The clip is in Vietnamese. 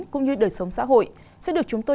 cũng như đời sống xã hội sẽ được chúng tôi